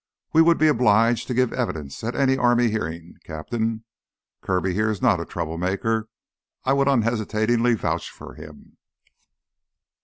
"We would be obliged to give evidence at any army hearing, Captain. Kirby here is not a troublemaker. I would unhesitatingly vouch for him."